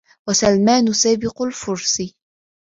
وَسَلْمَانُ سَابِقُ الْفُرْسَ